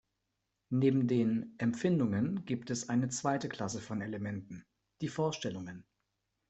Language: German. Neben den "Empfindungen" gibt es eine zweite Klasse von Elementen, die "Vorstellungen".